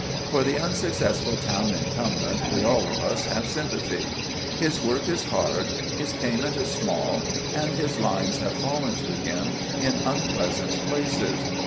For the unsuccessful town incumbent we all of us have sympathy. His work is hard, his payment is small, and his lines have fallen to him in unpleasant places.